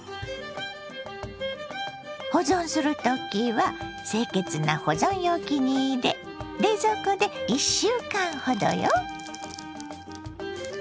保存する時は清潔な保存容器に入れ冷蔵庫で１週間ほどよ。